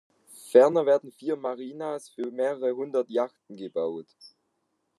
Ferner werden vier Marinas für mehrere Hundert Yachten gebaut.